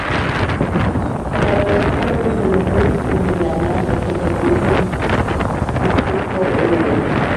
It is part of the Columbus, Indiana metropolitan statistical area.